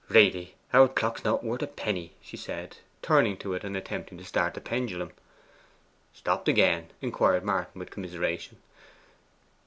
'Really our clock is not worth a penny,' she said, turning to it and attempting to start the pendulum. 'Stopped again?' inquired Martin with commiseration.